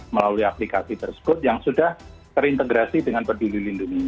melalui aplikasi tersebut yang sudah terintegrasi dengan peduli lindungi